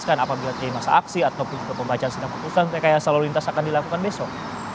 apakah ini akan menjelaskan apabila di masa aksi atau juga pembacaan sidang putusan rekayasa lalu lintas akan dilakukan besok